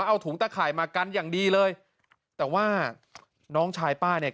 เอาถุงตะข่ายมากันอย่างดีเลยแต่ว่าน้องชายป้าเนี่ย